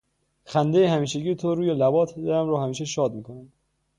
خنده همیشگی تو روی لبات دلم رو همیشه شاد میکنه